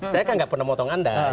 saya kan tidak pernah potong anda